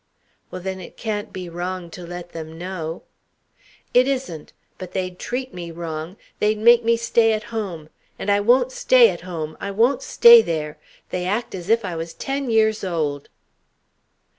"Well, then it can't be wrong to let them know." "It isn't. But they'd treat me wrong. They'd make me stay at home. And I won't stay at home I won't stay there. They act as if I was ten years old."